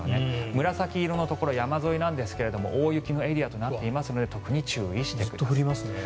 紫色のところ山沿いなんですが大雪のエリアとなっていますのでずっと降りますね。